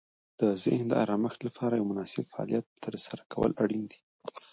د ذهن د آرامښت لپاره یو مناسب فعالیت ترسره کول اړین دي.